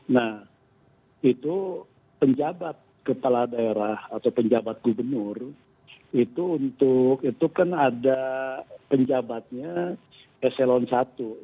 nah itu penjabat kepala daerah atau penjabat gubernur itu untuk itu kan ada penjabatnya eselon i